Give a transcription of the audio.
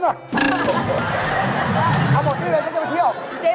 ถ้าบอกที่เลยฉันจะไปเที่ยว